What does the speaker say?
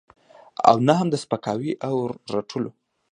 او نه هم د سپکاوي او رټلو.